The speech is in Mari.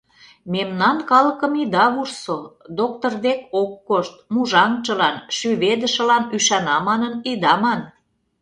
Мемнан калыкым ида вурсо: доктыр дек ок кошт, мужаҥчылан, шӱведышылан ӱшана манын ида ман.